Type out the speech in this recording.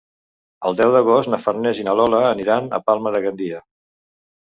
El deu d'agost na Farners i na Lola aniran a Palma de Gandia.